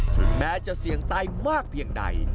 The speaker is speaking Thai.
แม้จะเสี่ยงตายมากเพียงใด